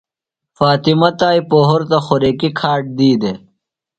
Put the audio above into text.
فاطمہ تائی پہُرتہ خوریکیۡ کھاڈ دی دےۡ۔